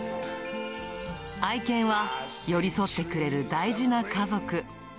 愛犬は寄り添ってくれる大事な家族。